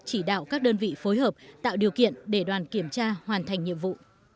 chỉ đạo các đơn vị phối hợp tạo điều kiện để đoàn kiểm tra hoàn thành nhiệm vụ